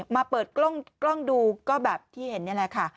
มาเปิดกล้องดูก็แบบที่เห็นนี่แหละค่ะ